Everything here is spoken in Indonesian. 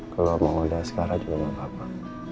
kalau mau udah sekarang juga gak apa apa